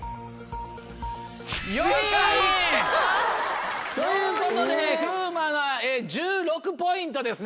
４位！ということで風磨が１６ポイントですね。